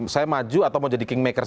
saya maju atau mau jadi kingmaker